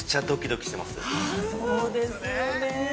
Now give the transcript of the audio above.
◆そうですよね。